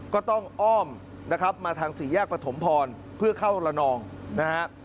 ก็ต้องอ้อมนะครับมาทางสี่แยกประถมพรเพื่อเข้าระนองนะฮะ